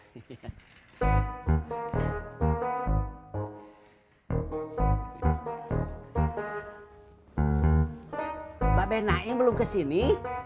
mbak benaing belum kesini